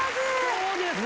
そうですか！